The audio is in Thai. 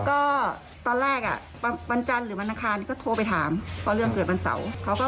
ก็ตอนแรกอ่ะวันจันทร์หรือวันอังคารก็โทรไปถามเพราะเรื่องเกิดวันเสาร์เขาก็